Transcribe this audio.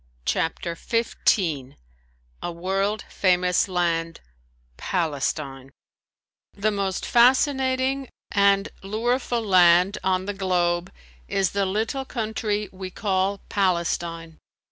CHAPTER XV A WORLD FAMOUS LAND PALESTINE The most fascinating and lureful land on the globe is the little country we call Palestine.